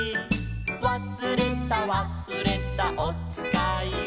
「わすれたわすれたおつかいを」